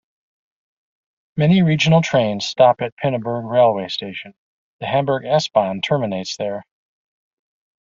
Many regional trains stop at Pinneberg railway station; the Hamburg S-Bahn terminates there.